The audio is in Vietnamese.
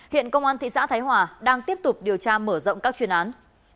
hiện công an thị xã thái hòa đang tiếp tục điều tra mở rộng các chuyên án